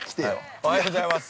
◆おはようございます。